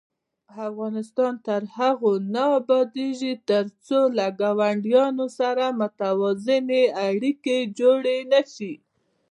افغانستان تر هغو نه ابادیږي، ترڅو له ګاونډیانو سره متوازنې اړیکې جوړې نشي.